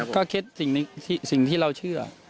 ก็แก้เค็ดสิ่งที่เราเชื่อ